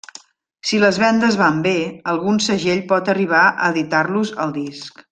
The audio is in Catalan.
Si les vendes van bé, algun segell pot arribar a editar-los el disc.